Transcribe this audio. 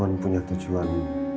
cuman punya tujuan